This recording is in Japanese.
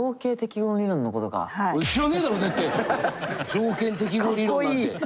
条件適合理論なんて。